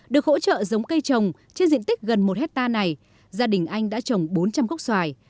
được hỗ trợ giống cây trồng trên diện tích gần một hectare này gia đình anh đã trồng bốn trăm linh gốc xoài